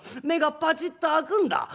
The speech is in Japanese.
目がパチッと開くんだ。